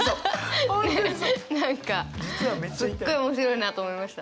何かすっごい面白いなと思いました。